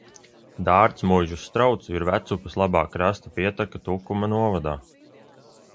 Dārtsmuižas strauts ir Vecupes labā krasta pieteka Tukuma novadā.